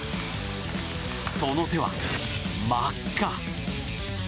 その手は、真っ赤。